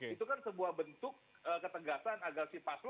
itu kan sebuah bentuk ketegasan agar si paslon